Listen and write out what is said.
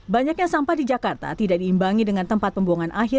banyaknya sampah di jakarta tidak diimbangi dengan tempat pembuangan akhir